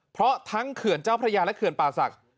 เพราะทั้งเขื่อนเจ้าพระยาและเขื่อนป่าศักดิ์